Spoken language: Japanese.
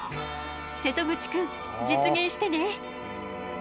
瀬戸口くん実現してね！